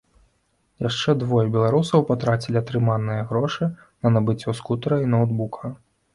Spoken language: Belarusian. Яшчэ двое беларусаў патрацілі атрыманыя грошы на набыццё скутэра і ноўтбука.